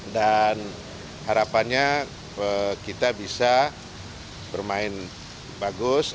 dan harapannya kita bisa bermain bagus